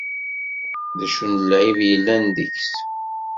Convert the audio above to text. Acu n lɛib yellan deg-s?